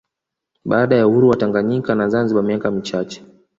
Baada ya uhuru wa Tanganyika na Zanzibar miaka michache